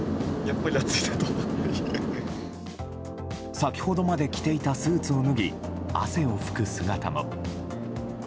先ほどまで着ていたスーツを脱ぎ、汗を拭く姿も。